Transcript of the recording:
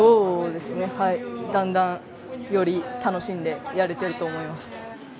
だんだん、より楽しんでやれていると思います。